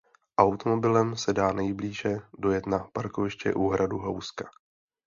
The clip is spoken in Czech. Automobilem se dá nejblíže dojet na parkoviště u hradu Houska.